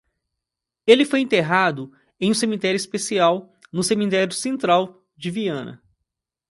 Ele foi enterrado em um cemitério especial no cemitério central de Viena.